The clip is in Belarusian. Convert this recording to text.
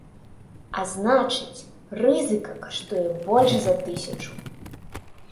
А значыць, рызыка каштуе больш за тысячу.